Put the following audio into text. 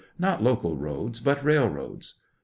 Not local roads, but railroads.